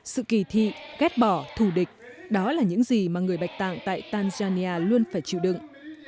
sự kỳ thị ghét bỏ thù địch đó là những gì mà người bạch tạng tại tanzania luôn phải chịu đựng